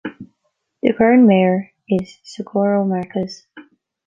The current mayor is Socorro Marquez.